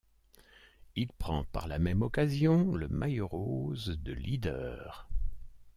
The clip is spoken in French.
Il prend par la même occasion le maillot rose de leader.